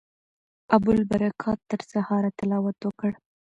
ابوالبرکات تر سهاره تلاوت وکړ.